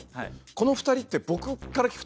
この２人って僕から聴くと。